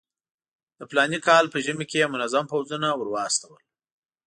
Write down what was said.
د فلاني کال په ژمي کې یې منظم پوځونه ورواستول.